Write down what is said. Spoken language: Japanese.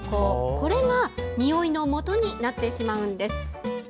これが、においのもとになってしまうんです。